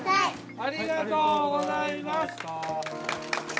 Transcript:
ありがとうございます。